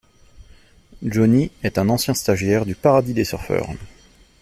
Johnny est un ancien stagiaire du Paradis des Surfeurs.